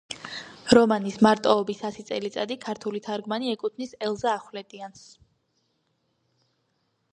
რომანის, „მარტოობის ასი წელიწადი“, ქართული თარგმანი ეკუთვნის ელზა ახვლედიანს.